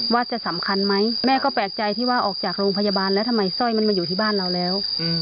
ว่าจะสำคัญไหมแม่ก็แปลกใจที่ว่าออกจากโรงพยาบาลแล้วทำไมสร้อยมันมาอยู่ที่บ้านเราแล้ว